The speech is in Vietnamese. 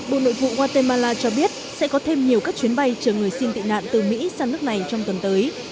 bộ nội vụ guatemala cho biết sẽ có thêm nhiều các chuyến bay chở người xin tị nạn từ mỹ sang nước này trong tuần tới